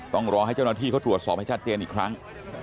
ต้องรอให้เจ้าหน้าที่เขาตรวจสอบให้ชัดเจนอีกครั้ง